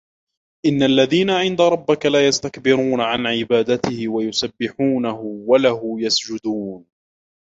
إن الذين عند ربك لا يستكبرون عن عبادته ويسبحونه وله يسجدون